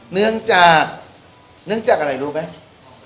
เนื่องจากเนื่องจากอะไรรู้ไหม